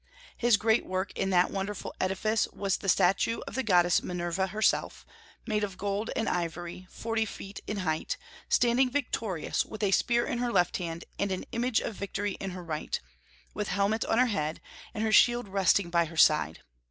His great work in that wonderful edifice was the statue of the goddess Minerva herself, made of gold and ivory, forty feet in height, standing victorious, with a spear in her left hand and an image of victory in her right, with helmet on her head, and her shield resting by her side.